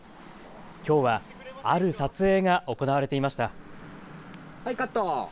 きょうは、ある撮影が行われていました。